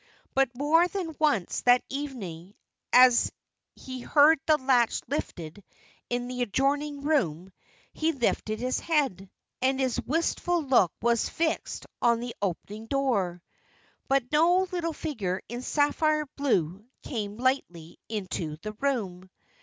But more than once that evening, as he heard the latch lifted in the adjoining room, he lifted his head, and his wistful look was fixed on the opening door. But no little figure in sapphire blue came lightly into the room.